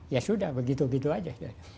ya sudah begitu begitu aja